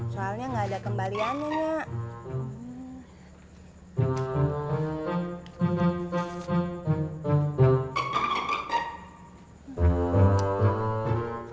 soalnya gak ada kembaliannya nyak